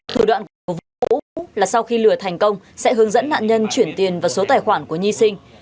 thủ đoạn của vũ là sau khi lừa thành công sẽ hướng dẫn nạn nhân chuyển tiền vào số tài khoản của nhi sinh